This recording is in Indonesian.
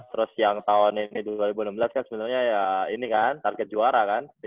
terus yang tahun ini dua ribu enam belas kan sebenarnya ini kan target juara kan